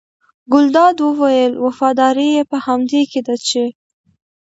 ګلداد وویل وفاداري یې په همدې کې ده چې.